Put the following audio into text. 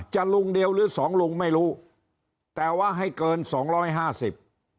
ลุงเดียวหรือสองลุงไม่รู้แต่ว่าให้เกินสองร้อยห้าสิบ